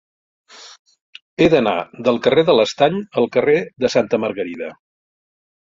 He d'anar del carrer de l'Estany al carrer de Santa Margarida.